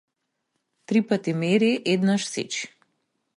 Три пати мери, еднаш сечи.